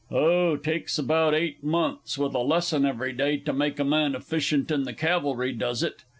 Oh, takes about eight months, with a lesson every day, to make a man efficient in the Cavalry, does it?